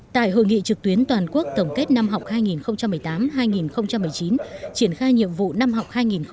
tại hội nghị trực tuyến toàn quốc tổng kết năm học hai nghìn một mươi tám hai nghìn một mươi chín triển khai nhiệm vụ năm học hai nghìn hai mươi hai nghìn hai mươi